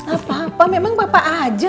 apa apa memang papa aja